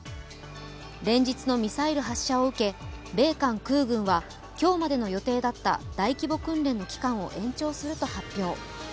連日のミサイル発射を受け米韓空軍は今日までの予定だった大規模訓練の期間を延長すると発表。